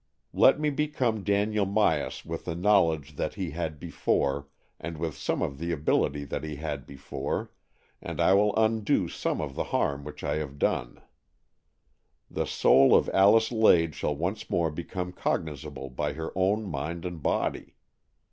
Let me become Daniel 164 AN EXCHANGE OF SOULS Myas with the knowledge that he had before, and with some of the ability that he had before, and I will undo some of the harm which I have done. The soul of Alice Lade shall once more become cognizable by her own mind and body.